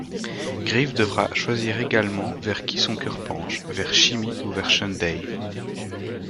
Gryf devra choisir également vers qui son cœur penche, vers Shimy ou vers Shun-Day.